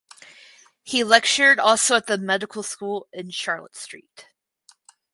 He lectured also at the medical school in Charlotte Street.